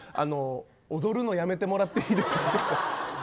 踊るのやめてもらっていいですか。